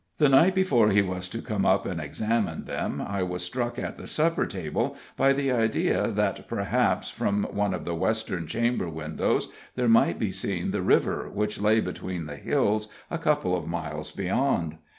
The night before he was to come up and examine them, I was struck at the supper table by the idea that perhaps, from one of the western chamber windows, there might be seen the river which lay, between the hills, a couple of miles beyond.